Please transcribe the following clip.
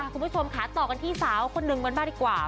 คุณผู้ชมค่ะต่อกันที่สาวคนหนึ่งกันบ้างดีกว่า